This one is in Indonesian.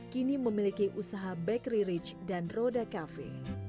kini memiliki usaha bakery ridge dan roda cafe